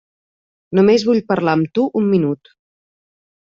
Només vull parlar amb tu un minut.